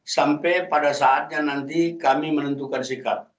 sampai pada saatnya nanti kami menentukan sikap